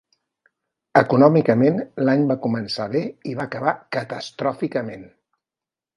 Econòmicament, l'any va començar bé i va acabar catastròficament.